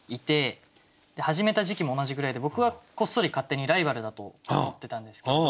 始めた時期も同じぐらいで僕はこっそり勝手にライバルだと思ってたんですけど。